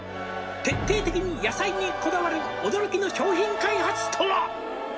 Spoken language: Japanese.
「徹底的に野菜にこだわる」「驚きの商品開発とは？」